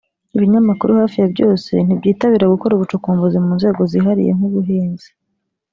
Ibinyamakuru hafi ya byose ntibyitabira gukora ubucukumbuzi mu nzego zihariye nk’ubuhinzi